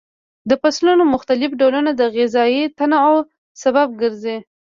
د فصلونو مختلف ډولونه د غذایي تنوع سبب ګرځي.